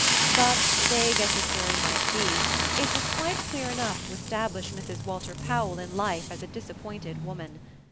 But, vague as the story night be, it was quite clear enough to establish Mrs. Walter Powell in life as a disappointed woman.